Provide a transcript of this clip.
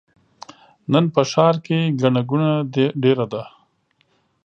نن په ښار کې ګڼه ګوڼه ډېره ده.